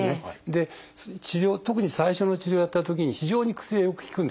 で特に最初の治療をやったときに非常に薬がよく効くんです。